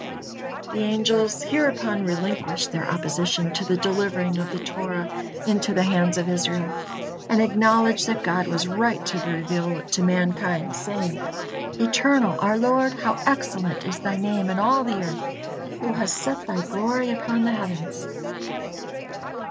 The angels hereupon relinquished their opposition to the delivering of the Torah into the hands of Israel, and acknowledged that God was right to reveal it to mankind, saying: "Eternal, our Lord, how excellent is Thy name in all the earth! Who hast set Thy glory upon the heavens."